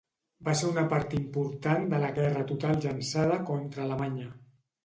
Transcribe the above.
Va ser una part important de la guerra total llançada contra Alemanya.